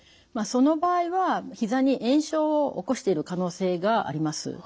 その場合はひざに炎症を起こしている可能性があります。